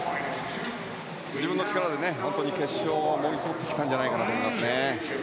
自分の力で決勝をもぎ取ってきたんじゃないかと思いますね。